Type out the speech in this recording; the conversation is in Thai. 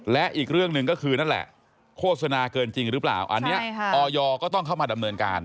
และอีกเรื่องหนึ่งก็คือนั่นแหละโฆษณาเกินจริงหรือเปล่าอันนี้ออยก็ต้องเข้ามาดำเนินการ